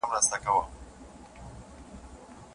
خلګ به د خپلو سياسي حقونو لپاره نوري مبارزې وکړي.